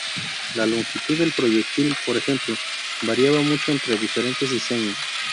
La longitud del proyectil, por ejemplo, variaba mucho entre diferentes diseños.